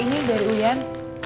ini dari uyan